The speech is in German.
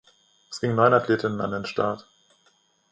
Es gingen neun Athletinnen an den Start.